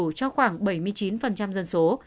đầy đủ cho khoảng bảy mươi chín dân số